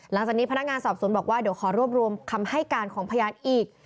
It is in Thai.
หลังจากนี้พนักงานสอบสวนบอกว่าเดี๋ยวขอรวบรวมคำให้การของพยานอีก